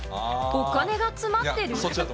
お金が詰まってる。